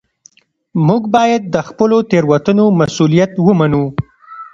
موږ باید د خپلو تېروتنو مسوولیت ومنو